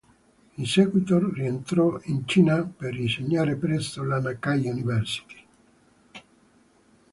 In seguito rientrò in Cina per insegnare presso la Nankai University.